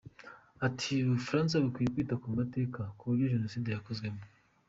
Ati “U Bufaransa bukwiye kwita ku mateka; ku buryo Jenoside yakozwemo.